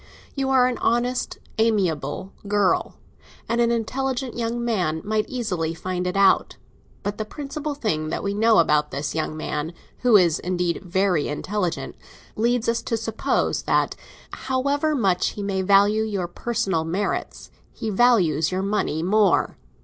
You are an honest, amiable girl, and an intelligent young man might easily find it out. But the principal thing that we know about this young man—who is, indeed, very intelligent—leads us to suppose that, however much he may value your personal merits, he values your money more.